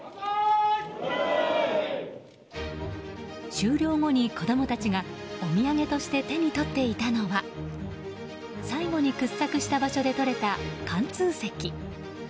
終了後に子供たちがお土産として手に取っていたのは最後に掘削した場所で取れた貫通石。